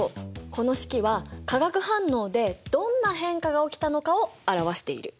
この式は化学反応でどんな変化が起きたのかを表している。